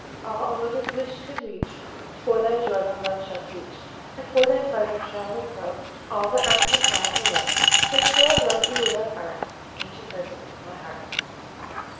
All a lover's wish can reach, For thy joy my love shall teach; And for thy pleasure shall improve All that art can add to love. Yet still I love thee without art, Ancient Person of my heart.